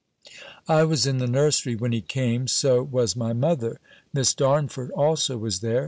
I was in the nursery when he came. So was my mother. Miss Darnford also was there.